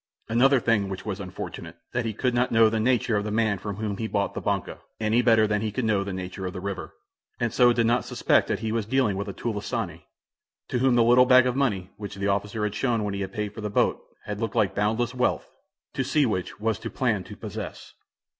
Another thing which was unfortunate; that he could not know the nature of the man from whom he bought the "banca," any better than he could know the nature of the river, and so did not suspect that he was dealing with a "tulisane," to whom the little bag of money which the officer had shown when he had paid for the boat had looked like boundless wealth, to see which was to plan to possess.